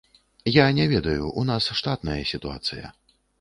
Я не ведаю, у нас штатная сітуацыя.